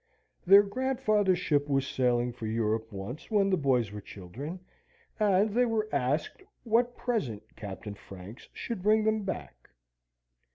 Their grandfather's ship was sailing for Europe once when the boys were children, and they were asked, what present Captain Franks should bring them back?